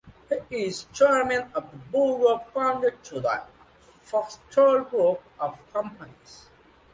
He is chairman of the board of founders to the Foxtrot Group of Companies.